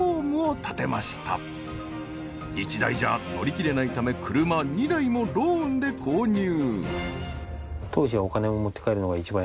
１台じゃ乗り切れないため車２台もローンで購入。